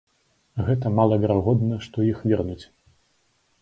Гэта малаверагодна, што іх вернуць.